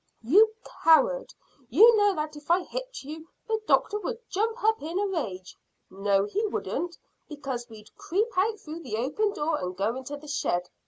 (defiantly.) "You coward! You know that if I hit at you the doctor would jump up in a rage." "No, he wouldn't, because we'd creep out through the open door and go into the shed.